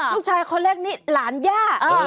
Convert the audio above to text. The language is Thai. ลูกชายคนเล็กนี่หลานย่า